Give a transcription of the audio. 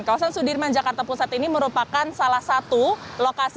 kawasan sudirman jakarta pusat ini merupakan salah satu lokasi